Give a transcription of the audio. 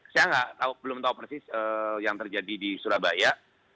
saya belum tahu persis yang terjadi di surabaya